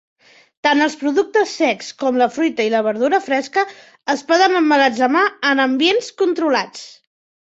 Tant els productes secs com la fruita i la verdura fresca es poden emmagatzemar en ambients controlats.